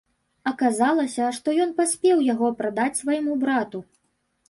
Аказалася, што ён паспеў яго прадаць свайму брату.